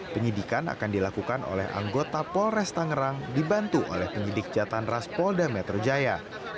penyidikan akan dilakukan oleh anggota polres tangerang dibantu oleh penyidik jatan ras mampolda metrojaya